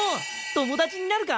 友達になるか？